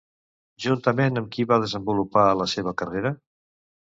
Juntament amb qui va desenvolupar la seva carrera?